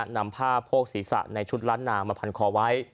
นำผ้าโพกศีรษะในชุดล้านนามาพันคอไว้